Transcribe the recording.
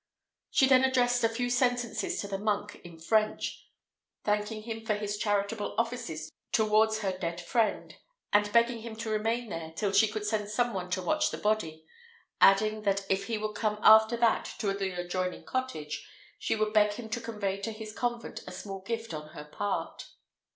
She then addressed a few sentences to the monk in French, thanking him for his charitable offices towards her dead friend, and begging him to remain there till she could send some one to watch the body; adding, that if he would come after that to the adjoining cottage, she would beg him to convey to his convent a small gift on her part.